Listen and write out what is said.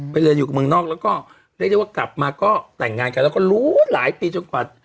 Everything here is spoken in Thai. เรียนอยู่กับเมืองนอกแล้วก็เรียกได้ว่ากลับมาก็แต่งงานกันแล้วก็รู้หลายปีจนกว่า